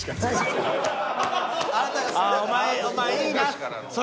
ああお前いいな。